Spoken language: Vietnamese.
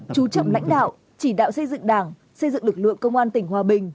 chú trọng lãnh đạo chỉ đạo xây dựng đảng xây dựng lực lượng công an tỉnh hòa bình